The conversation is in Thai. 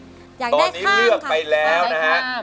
อยากได้ข้ามค่ะตอนนี้เลือกไปแล้วนะฮะ